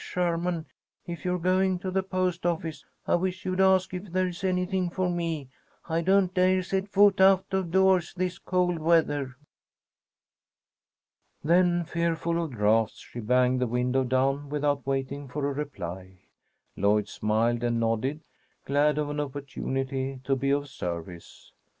Lloyd Sherman! If you're going to the post office, I wish you'd ask if there is anything for me. I don't dare set foot out of doors this cold weather." Then, fearful of draughts, she banged the window down without waiting for a reply. Lloyd smiled and nodded, glad of an opportunity to be of service.